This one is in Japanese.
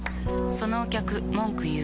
そのお客文句言う。